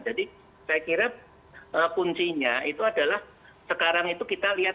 jadi saya kira kuncinya itu adalah sekarang itu kita lihat